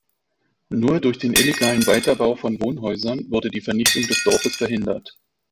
Nur durch den illegalen Weiterbau von Wohnhäusern wurde die Vernichtung des Dorfes verhindert.